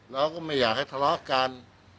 เราก็ไม่อยากให้ทะเลาะกัน